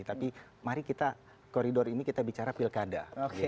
tapi mari kita koridor ini kita bicara pilkada